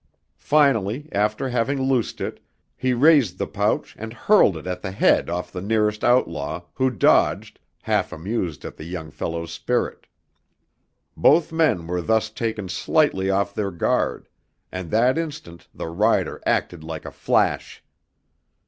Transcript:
Finally, after having loosed it, he raised the pouch and hurled it at the head off the nearest outlaw, who dodged, half amused at the young fellow's spirit. Both men were thus taken slightly off their guard, and that instant the rider acted like a flash.